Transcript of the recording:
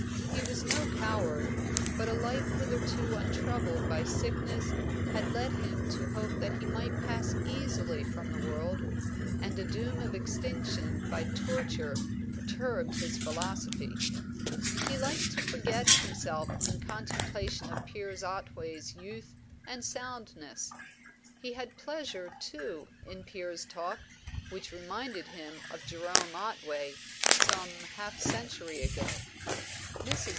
He was no coward, but a life hitherto untroubled by sickness had led him to hope that he might pass easily from the world, and a doom of extinction by torture perturbed his philosophy. He liked to forget himself in contemplation of Piers Otway's youth and soundness. He had pleasure, too, in Piers' talk, which reminded him of Jerome Otway, some half century ago. Mrs.